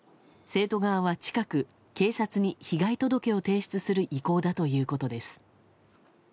生徒側は、近く警察に被害届を提出する意向だということです。